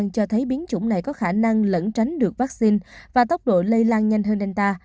cho thấy biến chủng này có khả năng lẫn tránh được vaccine và tốc độ lây lan nhanh hơn inta